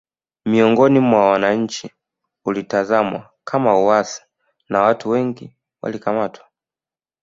Miongoni mwa wananchi ulitazamwa kama uasi na watu wengi walikamatwa